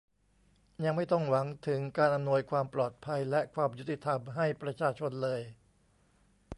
ยังไม่ต้องหวังถึงการอำนวยความปลอดภัยและความยุติธรรมให้ประชาชนเลย